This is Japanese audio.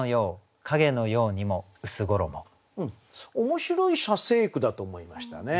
面白い写生句だと思いましたね。